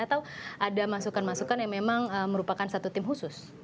atau ada masukan masukan yang memang merupakan satu tim khusus